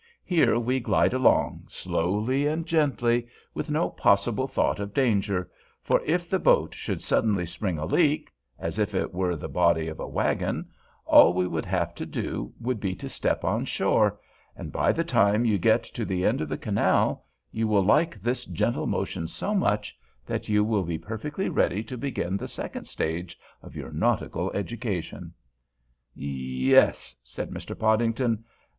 Here we glide along, slowly and gently, with no possible thought of danger, for if the boat should suddenly spring a leak, as if it were the body of a wagon, all we would have to do would be to step on shore, and by the time you get to the end of the canal you will like this gentle motion so much that you will be perfectly ready to begin the second stage of your nautical education." "Yes," said Mr. Podington.